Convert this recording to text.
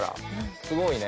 すごいね。